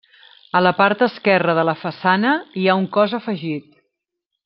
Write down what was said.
A la part esquerra de la façana hi ha un cos afegit.